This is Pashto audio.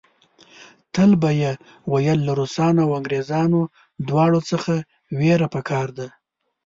تل به یې ویل له روسانو او انګریزانو دواړو څخه وېره په کار ده.